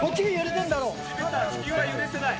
地球は揺れてない。